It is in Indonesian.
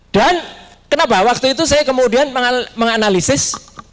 dan kenapa waktu itu saya kemudian menganalisis